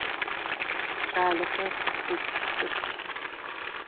Кӏалэхэр, шъутӏысых!